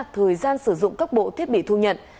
thời gian sử dụng các bộ thiết bị thu nhận